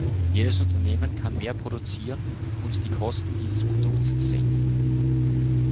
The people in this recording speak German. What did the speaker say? Jedes Unternehmen kann mehr produzieren und die Kosten dieses Produkts senken.